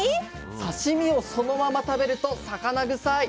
「刺身をそのまま食べると魚臭い！！」。